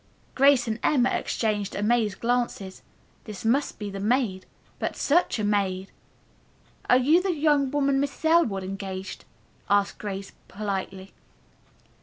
Grace and Emma exchanged amazed glances. This must be the maid. But such a maid! "Are you the young woman Mrs. Elwood engaged?" asked Grace politely.